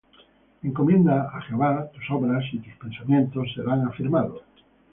Encomienda á Jehová tus obras, Y tus pensamientos serán afirmados.